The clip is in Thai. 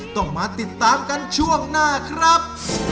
ต้องมาติดตามกันช่วงหน้าครับ